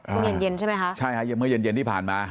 มื้อเย็นใช่ไหมคะใช่ค่ะเมื่อเย็นที่ผ่านมา